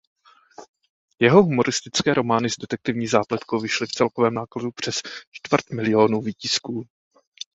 Jeho humoristické romány s detektivní zápletkou vyšly v celkovém nákladu přes čtvrt milionu výtisků.